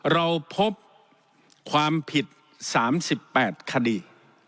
เราพบความผิด๓๘คดี